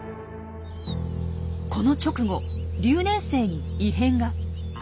この直後留年生に異変が。